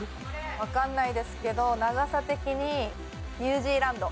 わかんないですけど長さ的にニュージーランド。